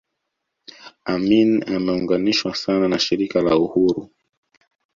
Amin ameunganishwa sana na Shirika la Uhuru